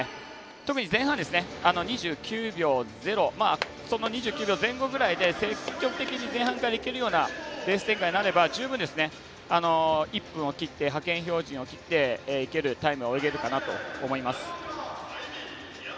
特に前半、２９秒０その２９秒前後ぐらいで積極的に前半からいけるようなレース展開になれば十分、１分を切って派遣標準を切っていけるタイムを泳げるかなと思います。